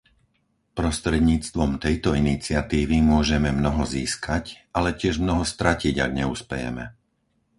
Prostredníctvom tejto iniciatívy môžeme mnoho získať, ale tiež mnoho stratiť, ak neuspejeme.